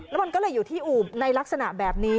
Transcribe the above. แล้วมันก็เลยอยู่ที่อูบในลักษณะแบบนี้